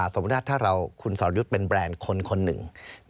สมมุติว่าถ้าคุณสรยุทธ์เป็นแบรนด์คนหนึ่ง